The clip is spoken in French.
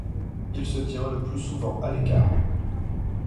Il se tient le plus souvent à l’écart.